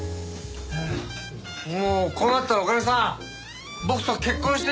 もうこうなったら女将さん僕と結婚して！